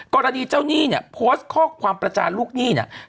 กรณีเจ้าหนี้เนี่ยโพสต์ข้อความประจานลูกหนี้เนี่ย